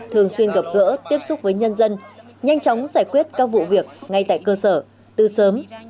thường xuyên gặp gỡ tiếp xúc với nhân dân nhanh chóng giải quyết các vụ việc ngay tại cơ sở từ sớm